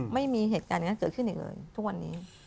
ไม่มีเหตุการณ์อย่างนั้นเกิดขึ้นอีกเลยทุกวันนี้